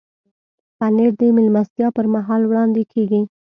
پنېر د میلمستیا پر مهال وړاندې کېږي.